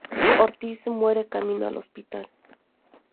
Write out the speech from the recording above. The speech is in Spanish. Ortiz muere camino al hospital.